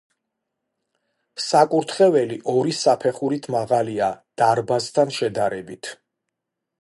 საკურთხეველი ორი საფეხურით მაღალია დარბაზთან შედარებით.